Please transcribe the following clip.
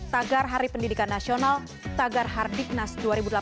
tagar hari pendidikan nasional tagar hardiknas dua ribu delapan belas